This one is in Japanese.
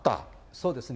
そうですね。